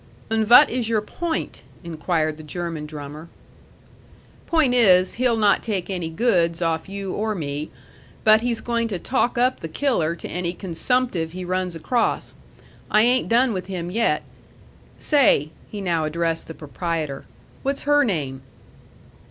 "Und vat is your point?" inquired the German drummer. "Point is he'll not take any goods off you or me; but he's going to talk up the killer to any consumptive he runs across. I ain't done with him yet. Say," (he now addressed the proprietor), "what's her name?"